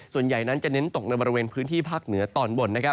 ส่วนใหญ่นั้นจะเน้นตกในบริเวณพื้นที่ภาคเหนือตอนบน